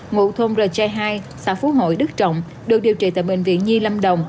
ngụ thôn r chai hai xã phú hội đức trọng được điều trị tại bệnh viện nhi lâm đồng